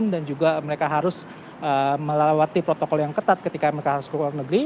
dan juga mereka harus melalui protokol yang ketat ketika mereka harus ke luar negeri